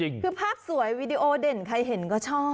คือภาพสวยวีดีโอเด่นใครเห็นก็ชอบ